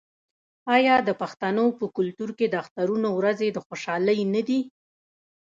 آیا د پښتنو په کلتور کې د اخترونو ورځې د خوشحالۍ نه دي؟